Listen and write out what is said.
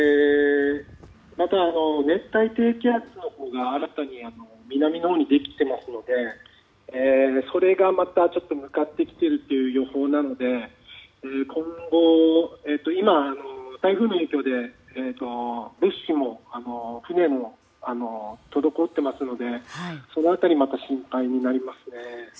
熱帯低気圧のほうが新たに南のほうにできていますのでそれがまた向かってきているという予報で今、台風の影響で物資も船も滞っていますのでその辺りまた心配になりますね。